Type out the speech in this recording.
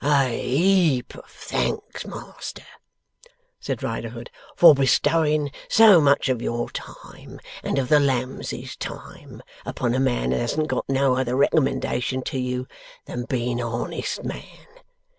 'A heap of thanks, Master,' said Riderhood, 'for bestowing so much of your time, and of the lambses' time, upon a man as hasn't got no other recommendation to you than being a honest man.